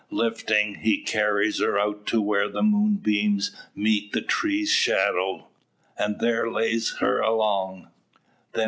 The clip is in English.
Lifting, he carries her out to where the moonbeams meet the tree's shadow, and there lays her along.